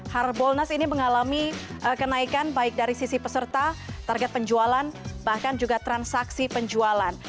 harbolnas ini mengalami kenaikan baik dari sisi peserta target penjualan bahkan juga transaksi penjualan